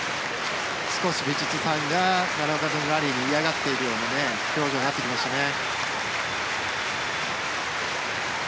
少しヴィチットサーンが奈良岡君のラリーに嫌がっているような表情になってきましたね。